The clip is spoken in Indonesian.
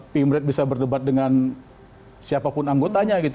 pingret bisa berdebat dengan siapapun anggotanya gitu